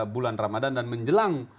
bulan ramadan dan menjelang